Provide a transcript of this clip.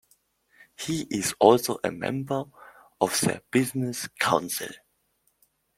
He is also a member of The Business Council.